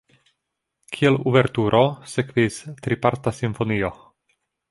Kiel uverturo sekvis triparta simfonio.